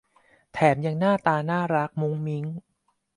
แถมยังหน้าตาน่ารักมุ้งมิ้ง